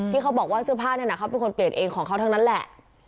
เขาบอกว่าเสื้อผ้านั้นเขาเป็นคนเปลี่ยนเองของเขาทั้งนั้นแหละ